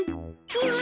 うわ。